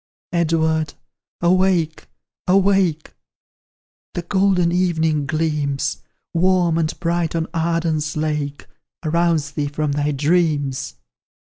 Edward, awake, awake The golden evening gleams Warm and bright on Arden's lake Arouse thee from thy dreams!